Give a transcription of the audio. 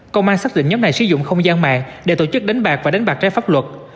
công an xác định nhóm này sử dụng không gian mạng để tổ chức đánh bạc và đánh bạc trái pháp luật